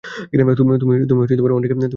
তুমি ভালোবাসতে পারছ না।